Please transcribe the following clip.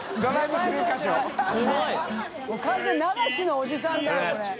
もう完全に流しのおじさんだよこれ。）